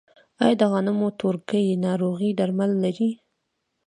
آیا د غنمو تورکي ناروغي درملنه لري؟